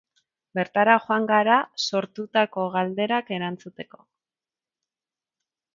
Bertara joan gara sortutako galderak erantzuteko.